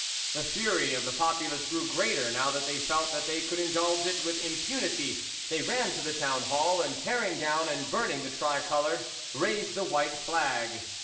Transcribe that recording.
The fury of the populace grew greater now that they felt that they could indulge it with impunity; they ran to the Town Hall, and tearing down and burning the tricoloured, raised the white flag.